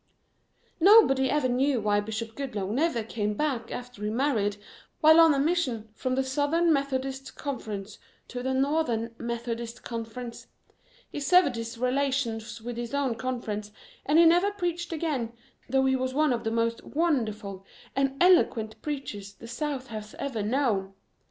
"Nobody ever knew why Bishop Goodloe never came back after he married while on a mission from the Southern Methodist Conference to the Northern Methodist Conference. He severed his relations with his own Conference, and he never preached again though he was one of the most wonderful and eloquent preachers the South has ever known.